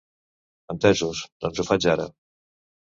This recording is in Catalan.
Entesos, doncs ho faig ara.